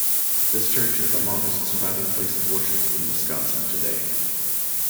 This church is the longest surviving place of worship in Wisconsin today.